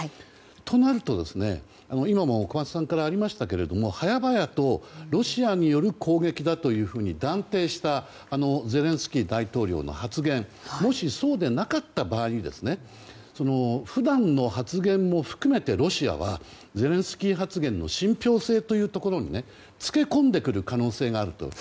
となると、今も小松さんからありましたけれども早々とロシアによる攻撃だと断定したゼレンスキー大統領の発言もしそうでなかった場合に普段の発言も含めてロシアはゼレンスキー発言の信ぴょう性につけ込んでくる可能性があると。